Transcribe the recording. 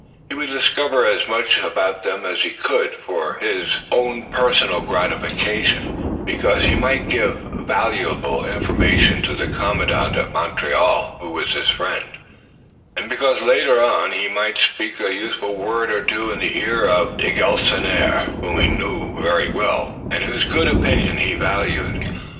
He would discover as much about them as he could, for his own personal gratification, because he might give valuable information to the commandant at Montreal, who was his friend, and because later on he might speak a useful word or two in the ear of Louis de Galisonnière, whom he knew well and whose good opinion he valued.